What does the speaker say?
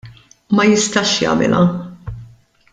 Ma jistax jagħmilha.